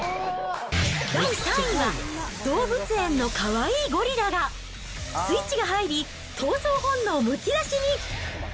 第３位は、動物園のかわいいゴリラが、スイッチが入り、闘争本能むき出しに。